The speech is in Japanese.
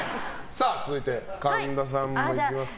続いて、神田さんもいきますか。